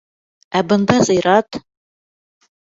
Ә бында зыярат.